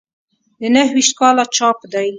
د نهه ویشت کال چاپ دی.